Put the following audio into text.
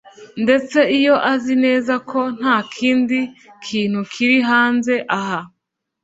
ndetse iyo azi neza ko ntakindi kintu kiri hanze aha